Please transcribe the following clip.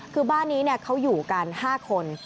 คือบ้านนี้เขาอยู่กัน๕คน